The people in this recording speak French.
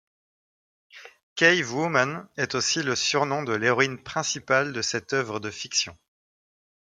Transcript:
Cavewoman est aussi le surnom de l'héroïne principale de cette œuvre de fiction.